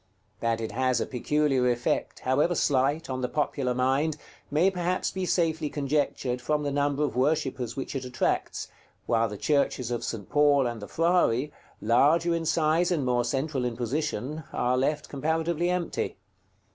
That it has a peculiar effect, however slight, on the popular mind, may perhaps be safely conjectured from the number of worshippers which it attracts, while the churches of St. Paul and the Frari, larger in size and more central in position, are left comparatively empty.